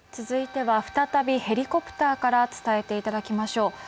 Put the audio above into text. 続いては再びヘリコプターから伝えていただきましょう。